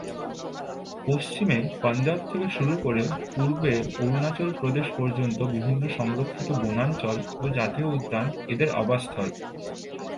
পশ্চিমে পাঞ্জাব থেকে শুরু করে পূর্বে অরুণাচল প্রদেশ পর্যন্ত বিভিন্ন সংরক্ষিত বনাঞ্চল ও জাতীয় উদ্যান এদের আবাসস্থল।